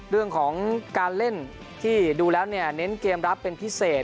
เรื่องของการเล่นที่ดูแล้วเนี่ยเน้นเกมรับเป็นพิเศษ